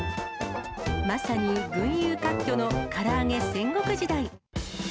まさに群雄割拠のから揚げ戦国時代。